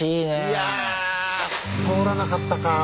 いやぁ通らなかったかぁ。